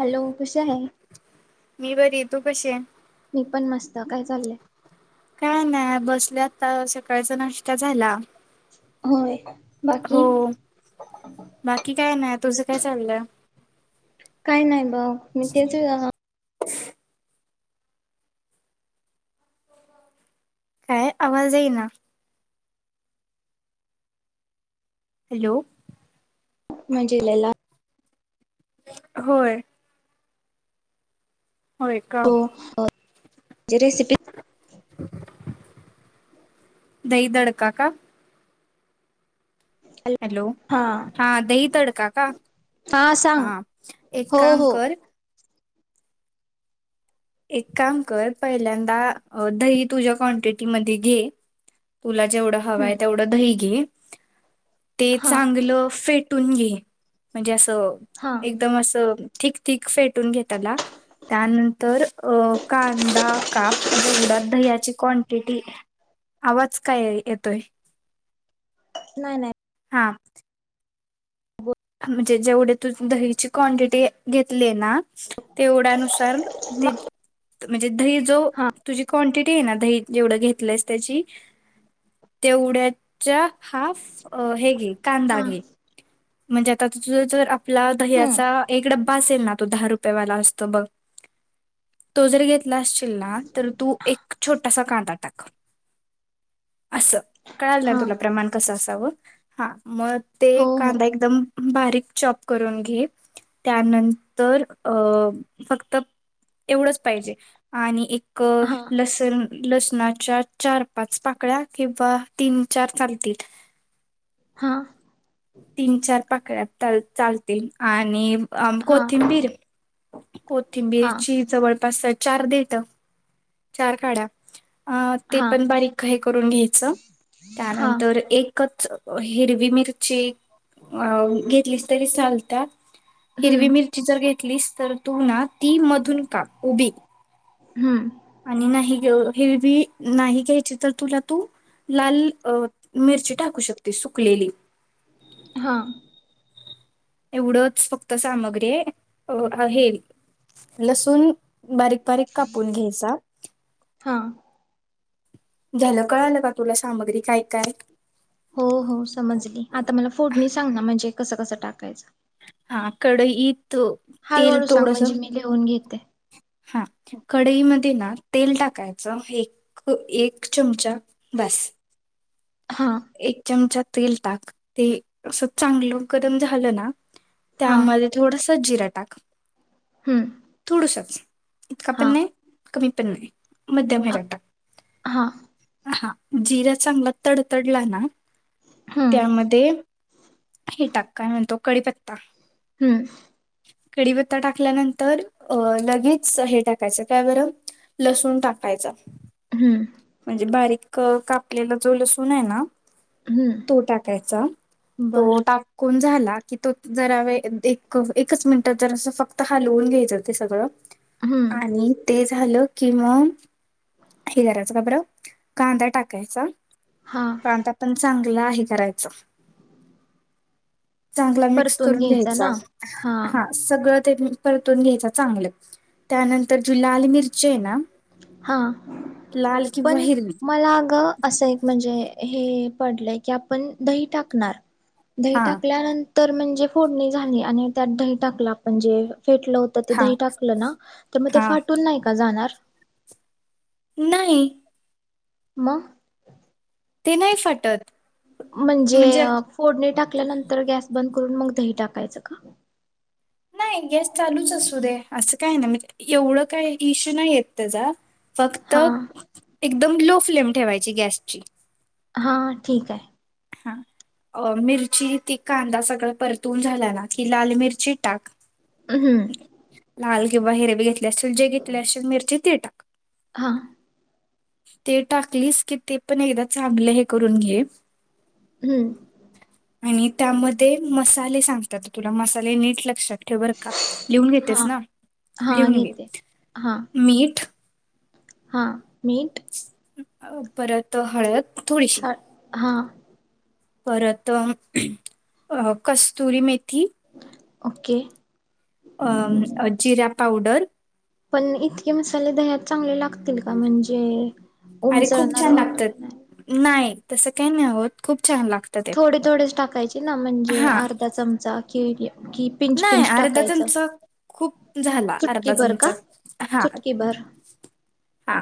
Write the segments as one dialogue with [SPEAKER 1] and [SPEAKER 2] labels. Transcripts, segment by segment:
[SPEAKER 1] Hello कश आहे?
[SPEAKER 2] मी बरी तू कसे आहे.
[SPEAKER 1] मी पण मस्त काय चाललंय.
[SPEAKER 2] काय नाही बसले आता सकाळचा नाष्ट्ता झाला.
[SPEAKER 1] होय
[SPEAKER 2] हो
[SPEAKER 1] बाकी
[SPEAKER 2] बाकी काय नाही तुझं काय चाललंय.
[SPEAKER 1] काही नाही ब मी तेच
[SPEAKER 2] काय आवाजई ना. हॅलो.
[SPEAKER 1] म्हजलेला
[SPEAKER 2] होय. हो.
[SPEAKER 1] हो हो. ज रेसिपी
[SPEAKER 2] दैतडका का हॅलो हा दही तडका का हा एक
[SPEAKER 1] हो
[SPEAKER 2] काम
[SPEAKER 1] हो
[SPEAKER 2] कर. एक काम कर पहिल्यांदा दही तुझ्या क्ांटिटीमध्ये घे तुला जेवढा हवा
[SPEAKER 1] हम्म
[SPEAKER 2] आहे तेवढं दही घे ते
[SPEAKER 1] हा
[SPEAKER 2] चांगलं फेटून घे. म्हणजे अस.
[SPEAKER 1] हा
[SPEAKER 2] एकदम असं. ठीक क फेटून घेला त्यानंतर तर अ कांदा काप जेवडात दह्याची क्वांटिटी आवाज काय येतोय.
[SPEAKER 1] नाही नाही.
[SPEAKER 2] हा. म्हणजे जेवढे तू दहीची क्वांटिटी घेतली ना तेवढ्यानुसार ते
[SPEAKER 1] [unintelligible]
[SPEAKER 2] म्हणजे
[SPEAKER 1] हा
[SPEAKER 2] [inaudible] ते ना दही जेवढं घेतलंस त्याची तेवढ्याचा हा हे घे कांदा
[SPEAKER 1] हा
[SPEAKER 2] घे. म्हणजे आता तुझ जर आपला
[SPEAKER 1] हम्म
[SPEAKER 2] दह्याचा एक डब्बा असेल ना तो दहा रुपयेवाला असतो बघ तो जर घेतला असशल ना तर तू एक छोटासा कांदा टाका अस. कळाल ना
[SPEAKER 1] हा
[SPEAKER 2] तुला प्रमाण कसं अस. हा मग ते.
[SPEAKER 1] हो हो
[SPEAKER 2] कांदा एकदम. बारीक चॉप करून घे त्यानंतर अ फक्त एवढंच पाहिजे आणि एक
[SPEAKER 1] हा
[SPEAKER 2] लसण लसणाच्या चार पाच पाकळ्या किंवा तीन चार चालतील.
[SPEAKER 1] हा
[SPEAKER 2] तीन चार पाकड्या चालतील आणि आ
[SPEAKER 1] हा
[SPEAKER 2] कोथिंबीर हो कोथिंबीर
[SPEAKER 1] हा
[SPEAKER 2] ची जवळपास चार देत चार काढ्या अ ते
[SPEAKER 1] हा
[SPEAKER 2] पण बारीक आहे करून घ्यायचं
[SPEAKER 1] हा
[SPEAKER 2] त्यानंतर एकच हिरवी मी क अ गी किलीच तरी चालतात हिरवी
[SPEAKER 1] हम्म
[SPEAKER 2] मिरची जर घेतलीस तर तू ना ती मधून का उभी
[SPEAKER 1] हम्म
[SPEAKER 2] आणि नाही हिरवी नाही घ्यायची तर तुला तू लाल अ मिरची टाकू शकते सुकलेली
[SPEAKER 1] हा
[SPEAKER 2] एवढंच फक्त सामग्री आहे लसून बारीक बारीक कापूल घ्यायचा
[SPEAKER 1] हा
[SPEAKER 2] झा्यालं कळालं का तुला सामग्री काय काय
[SPEAKER 1] हो हो समजली आता मला फोडनी सांग ना म्हणजे कसं कसं टाकायचं
[SPEAKER 2] आकडे इ
[SPEAKER 1] हळूहळू सांग म्हणजे मी लिहून घेते
[SPEAKER 2] हा कडईमध्ये ना तेल टा टकाय एक एक चमचा बास
[SPEAKER 1] हा
[SPEAKER 2] एक चमचा तेल टाक ते असं चांगलं गरम झालं ना
[SPEAKER 1] हा
[SPEAKER 2] त्यामध्ये थोडस सज्जी रा टाक
[SPEAKER 1] हम्म
[SPEAKER 2] थोडुसच इकप
[SPEAKER 1] हा
[SPEAKER 2] नाही कमी प मध्यम हे
[SPEAKER 1] अ-
[SPEAKER 2] जातात
[SPEAKER 1] हा
[SPEAKER 2] हा जिरा चांगला तड तडला ना
[SPEAKER 1] हम्म
[SPEAKER 2] त्यामध्ये हे टाक काय म्हणतो कळीपत्ता
[SPEAKER 1] हम्म
[SPEAKER 2] कडीीपत्ता टाकल्यानंतर अ लगेच हे टाकायचं काय बरं लसूण टाकायचं
[SPEAKER 1] हम्म
[SPEAKER 2] म्हणजे बारीक कापलेला ज सुणे ना
[SPEAKER 1] हम्म
[SPEAKER 2] तो टाकायचा तो
[SPEAKER 1] बर
[SPEAKER 2] टाकून झाला कि तो जर एकच मिनिटात जर अस फक्त तर हाल होून ग सगळ
[SPEAKER 1] हम्म
[SPEAKER 2] आणि ते लो कि मम हग राजच गबर कांदा टाकायचा
[SPEAKER 1] हा
[SPEAKER 2] काणता पण सांग तुला हे करायचं चांगला मिक्स
[SPEAKER 1] परतून
[SPEAKER 2] करून घ्यायचा
[SPEAKER 1] ना
[SPEAKER 2] हा सगळं परून घ्याय चर मि
[SPEAKER 1] हा
[SPEAKER 2] लाल किंवा
[SPEAKER 1] पण
[SPEAKER 2] हिरवी
[SPEAKER 1] मला अग असं एक म्हणजे हे पडलंय की आपण दही टाकणार दही
[SPEAKER 2] हा
[SPEAKER 1] टाकल्यानंत तर म्हणजे फोडणी झाली आणि त्यात दही टाकला म्हणजे फेटलं होत ते
[SPEAKER 2] हा
[SPEAKER 1] दही टाकलं ना त्या म ते
[SPEAKER 2] हा
[SPEAKER 1] फाटून नाही जाणार
[SPEAKER 2] नाही
[SPEAKER 1] म
[SPEAKER 2] ते नाही फटत
[SPEAKER 1] म्हणजे फोडणी टाक टाकल्यानंतर गॅस बंद करून मग दही टाकायचं का
[SPEAKER 2] नाही गॅस चालूच असू दे असं काय ना मणजे एवढं काही इशू नाही य त्याचा फक्त
[SPEAKER 1] हा
[SPEAKER 2] एक एकदम लो फ्लेम ठेवायची गॅसची
[SPEAKER 1] हा ठीक आहे
[SPEAKER 2] हा मिरची ती कांदा सगळा परतून झाला ना की लाल मिरची टाक
[SPEAKER 1] अ हम
[SPEAKER 2] लाल किंवा हिरवी घेत लसूण जे घेत लसूण मिरची ते टाक
[SPEAKER 1] हा
[SPEAKER 2] ते टाकलीस की ते पण एकदा चांगलं हे करून घे
[SPEAKER 1] हम्म
[SPEAKER 2] आणि त्यामध्ये मसाले सांगतात तुला मसाले नीट लक्षात ठेव बर का लिहून घेतेस
[SPEAKER 1] हां.
[SPEAKER 2] ना
[SPEAKER 1] हां.
[SPEAKER 2] लिहून घे
[SPEAKER 1] घेते.
[SPEAKER 2] मीठ
[SPEAKER 1] हा मीठ
[SPEAKER 2] परत हळद थोडीशी
[SPEAKER 1] हळ हां.
[SPEAKER 2] परत अ कस्तुरी मेथी
[SPEAKER 1] ओके.
[SPEAKER 2] अ जिरा पावडर
[SPEAKER 1] पण इतके मस् दह्यात चांगले लागतील का म्हणजे
[SPEAKER 2] अरे खूप
[SPEAKER 1] उमचळणार
[SPEAKER 2] छान
[SPEAKER 1] वगैरे
[SPEAKER 2] लागतात
[SPEAKER 1] नाही
[SPEAKER 2] नाही तसं काही नाही आहोत खूप छान लागतं ते
[SPEAKER 1] थोडे थोडेच टाकायचे ना म्हणजे
[SPEAKER 2] हा
[SPEAKER 1] अर्धा चमचा केळी
[SPEAKER 2] नाही अर्धा चमचा खूप झाला
[SPEAKER 1] चुटकी
[SPEAKER 2] अर्धा
[SPEAKER 1] भर
[SPEAKER 2] चमचा
[SPEAKER 1] का?
[SPEAKER 2] हा
[SPEAKER 1] चुटकी भर.
[SPEAKER 2] हा.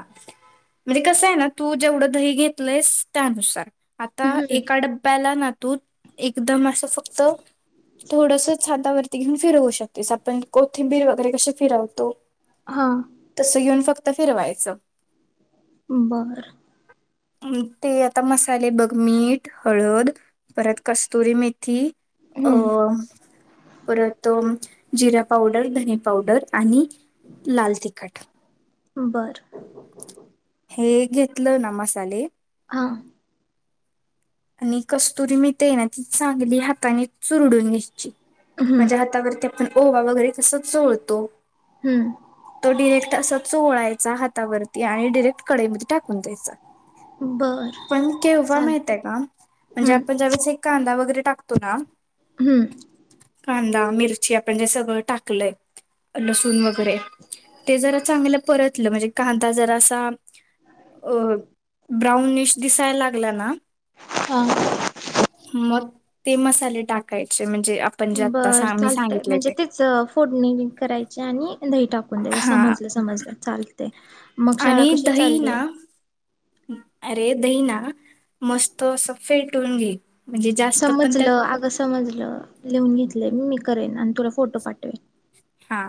[SPEAKER 2] म्हणजे कसं आहे ना तू जेवढं दही घेतलंयस त्यानुसार. आता
[SPEAKER 1] हम्म.
[SPEAKER 2] एका डब्याला ना तू एकदम अस फक्त थोडस हातावरती घेऊन फिरवू शकतेस आपण कोथिंबीर वगैरे कसे फिरवतो.
[SPEAKER 1] हां.
[SPEAKER 2] तस घेऊन फक् तर फिरवायचं
[SPEAKER 1] बर
[SPEAKER 2] ते आता मसाले बघ मीठ हळद परत कस्तुरी मे थी अ
[SPEAKER 1] हम्म.
[SPEAKER 2] परत जिरा पावडर धनी पावडर आणि लाल तिखट
[SPEAKER 1] बर.
[SPEAKER 2] हे घेतलं ना म साले
[SPEAKER 1] हा.
[SPEAKER 2] आणि कस्तुरी मेथीय ना ती चांगली हाताने चुरडून घ्यायची.
[SPEAKER 1] हम्म.
[SPEAKER 2] माझ्या हातावर बा वगैरे तस जोळतो
[SPEAKER 1] हम्म.
[SPEAKER 2] तो डिरेक्ट अस ोळायचा हातावरती आणि डिरेक्ट कडेमध्ये टाकून द्यायचं
[SPEAKER 1] बर.
[SPEAKER 2] पण केव्हा माहितय
[SPEAKER 1] चालतंय.
[SPEAKER 2] का म्हणजे
[SPEAKER 1] हम्म.
[SPEAKER 2] आपण ज कांदा वगैरे टातो ना
[SPEAKER 1] हम्म
[SPEAKER 2] कांदा मिरची आपण जे सगळं टाकलंय लसून वगैरे ते जरा चांगलं परत म्हणजे कांदा जर असा अ ब्राउनश दिसायला लागला ना
[SPEAKER 1] हां.
[SPEAKER 2] मग ते मसाले टाकाय म्हज
[SPEAKER 1] बर चालत म्हणजे तेच फोडणी करायची आणि दही टाकून द्यायच
[SPEAKER 2] हा
[SPEAKER 1] समजलं समजलं चालतेय मग शाळा
[SPEAKER 2] आणि
[SPEAKER 1] कशी
[SPEAKER 2] दही
[SPEAKER 1] चालली आहे
[SPEAKER 2] ना अरे दही ना मस्त सफेद टुंगी
[SPEAKER 1] समजलं अगं समजलं लिहून घेतलंय मी मी करेन आणि तुला फोटो पाठवेन
[SPEAKER 2] हा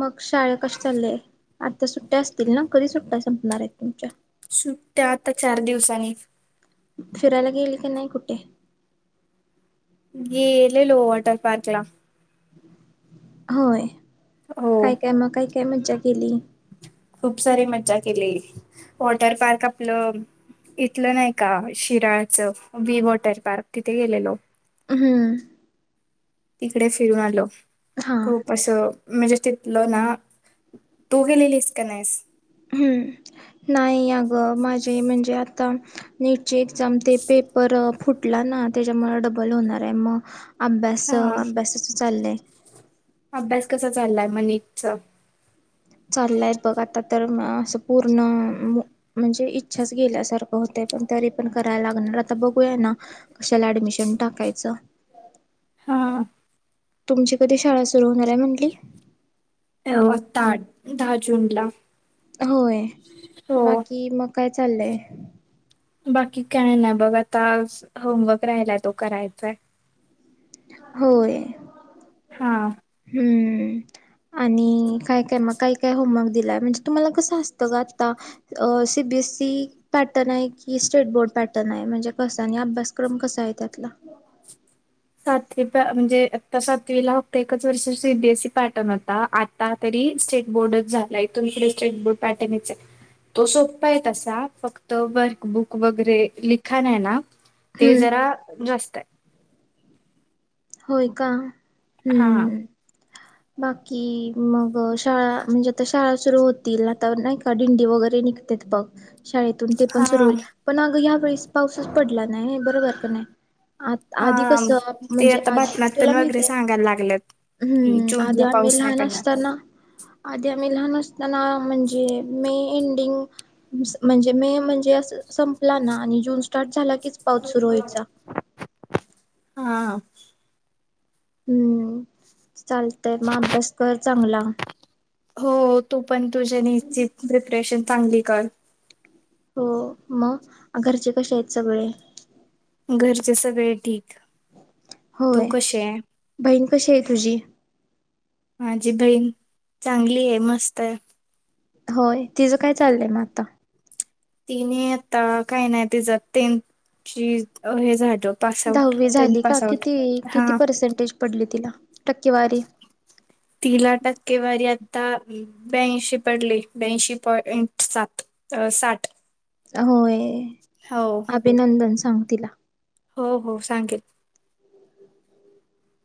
[SPEAKER 1] मग शाळे कसे चालले आता सुट्ट्या असतील ना कधी सुट्ट्या संपणार आहेत तुमच्या
[SPEAKER 2] सुट्ट्या आता चार दिवसांनी
[SPEAKER 1] फिरायला गेल का नाही कुठे
[SPEAKER 2] गेले लो वाटर पाकलाम
[SPEAKER 1] होय
[SPEAKER 2] हो
[SPEAKER 1] काय काय मग काय काय मजा केली
[SPEAKER 2] खूप सारी मज्जा केली वॉटर पार्क आपलं इथलं नाही का शिराळचं वी वॉटर पार्क तिथे गेलेलो
[SPEAKER 1] हम्म
[SPEAKER 2] तिकडे फिरून आलो
[SPEAKER 1] हा
[SPEAKER 2] खूप असं म्हणजे तिथलं ना तू गेलेलीस का नाहीस
[SPEAKER 1] हम्म नाही अगं माझ म्हणजे आता नीटचे एझाम ते पेपर फुटला ना त्याच्यामुळे डबल होणार आहे मग अभ्यास
[SPEAKER 2] हा
[SPEAKER 1] अभ्यासचं चाललं आहे
[SPEAKER 2] अभ्यास कसा चाललाय मनतच
[SPEAKER 1] चाललंय बघ आता तर असं पूर्ण म्हणजे इच्छाच गेल्यासारखं होतय पण तरी पण करायला लागणार आता बघूया ना कशाला ऍडमिशन टाकायचं
[SPEAKER 2] हा
[SPEAKER 1] तुमची कधी शाळा सुरू होणार आहे म्हटली
[SPEAKER 2] ताठ दहा जून ला
[SPEAKER 1] होय
[SPEAKER 2] हो
[SPEAKER 1] बाकी मग काय चाललंय
[SPEAKER 2] बाकी काय ना बघ आता होमवर्क राहिलाय तो करायचाय
[SPEAKER 1] होय
[SPEAKER 2] हा
[SPEAKER 1] ह् आणि काय काय मग काय काय होमवर्क दिलाय म्हणजे तुम्हाला कसं असतं ग आता सीबीएससई पॅटर्न आहे कि स्टेट बोर्ड पॅटर्न आहे म्हणजे कसा आणि अभ्यासक्रम कसा आहे त्यातला
[SPEAKER 2] सातवी म्हणजे आता सातवीला फक्त एकच वर्षा सीबीएसई पॅटर्न होता आता तरी स्टेट बोर्डच झाला इथून पुढे स्टेट बोर्ड पॅटर्नच तो सोपपा आहे तसा फक्त वर्कबुक वगैरे लिखाण आहे ना ते
[SPEAKER 1] हम्म
[SPEAKER 2] जरा जास्त आहे
[SPEAKER 1] होय का
[SPEAKER 2] हा
[SPEAKER 1] हम्म बाकी म शाळा म्हणजे आता शाळा सुरु हो तिला तर नाही का दिंडी वगैरे निघते बघ शाळेतून ते पण सुरू
[SPEAKER 2] हा
[SPEAKER 1] होईल पण अग या वेळेस पाऊसच पडला नाही बरोबर पण आहे आ आधी
[SPEAKER 2] हा
[SPEAKER 1] कसं
[SPEAKER 2] ते
[SPEAKER 1] म्हणजे
[SPEAKER 2] आता
[SPEAKER 1] आधी
[SPEAKER 2] बातम्या
[SPEAKER 1] तुला
[SPEAKER 2] पण
[SPEAKER 1] माहित
[SPEAKER 2] वगैरे
[SPEAKER 1] आहे
[SPEAKER 2] सांगायला लागलेत कि
[SPEAKER 1] हम्म
[SPEAKER 2] जून
[SPEAKER 1] आधी
[SPEAKER 2] ला पाऊस नाही पडणार
[SPEAKER 1] आ् लहान अस त्यांना म्हणजे मी म्हण म म्हण स्टार्ट झाला कीच पाऊस सुरू व्हायचा
[SPEAKER 2] हा
[SPEAKER 1] हम्म चालतंय मग अभ्यास कर चांगला
[SPEAKER 2] हो तो पण तुझ्यानीची प्रिपरेशन चांगली कर
[SPEAKER 1] हो मग घरचे कसे आहेत सगळे
[SPEAKER 2] घरचे सगळे ठीक तू
[SPEAKER 1] होय
[SPEAKER 2] कशी आहे
[SPEAKER 1] बहीण कशी आहे तुझी
[SPEAKER 2] माझी बहीण चांगली आहे मस्त आहे
[SPEAKER 1] होय तिझं काय चाललंय म आता
[SPEAKER 2] तिने आता काही नाही ति ज त्यांची हे झाड
[SPEAKER 1] दहावी झाली का किती
[SPEAKER 2] हा
[SPEAKER 1] किती पर्सेंटेज पडली तिला टकेवारी
[SPEAKER 2] तिला टक्केवारी आ आता ब्यांशी पडली ब्यांशी पॉइंट सात साठ
[SPEAKER 1] होय
[SPEAKER 2] हो
[SPEAKER 1] अभिनंदन सांग तिला.
[SPEAKER 2] हो हो सांगेल.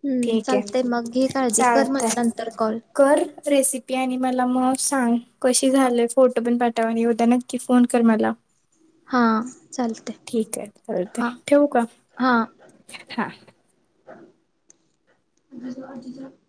[SPEAKER 1] हम्म
[SPEAKER 2] ठीके
[SPEAKER 1] चालतय मग घे काळजी कर
[SPEAKER 2] चालत
[SPEAKER 1] मला नंतर कॉल.
[SPEAKER 2] कर रेसिपी आणि मला मग सांग. कशी झालंय फोटो पण पाठ हो आणि उद्या नक्की फोन कर मला.
[SPEAKER 1] हा चालतय.
[SPEAKER 2] ठीके चालत
[SPEAKER 1] हा
[SPEAKER 2] ठेवू का?
[SPEAKER 1] हा
[SPEAKER 2] हा.
[SPEAKER 1] [unintelligible]